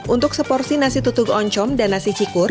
untuk seporsi nasi tutuk oncom dan nasi cikur